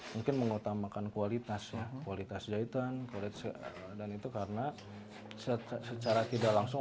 mungkin mengutamakan kualitasnya kualitas jahitan kulit dan itu karena secara tidak langsung